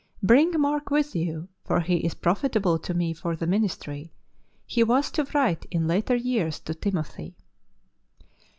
" Bring Mark with you, for he is profitable to me for the, ministry," he was to write in later years to Timothy.